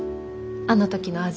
あの時の味。